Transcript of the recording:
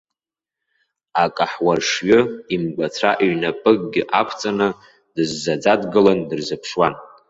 Ақаҳуаршҩы, имгәацәа иҩнапыкгьы ақәҵаны, дыззаӡа дгыланы дырзыԥшуан.